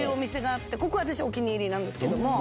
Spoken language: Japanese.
ここ私お気に入りなんです。